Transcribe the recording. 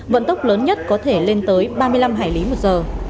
vận tốc lớn nhất có thể lên tới ba mươi năm hải lý một giờ